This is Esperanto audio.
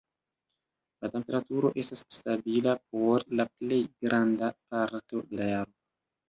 La temperaturo estas stabila por la plej granda parto de la jaro.